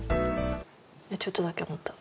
ちょっとだけ思った。